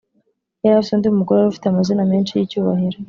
yari afite undi mugore wari ufite amazina menshi y’icyubahiro.